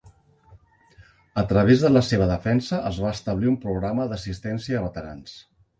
A través de la seva defensa, es va establir un programa d'assistència a veterans.